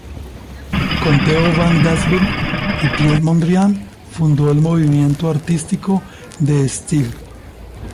Con Theo van Doesburg y Piet Mondrian fundó el movimiento artístico De Stijl.